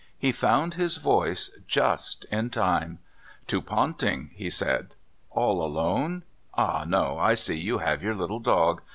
He found his voice just in time: "To Ponting's," he said. "All alone? Ah, no, I see you have your little dog.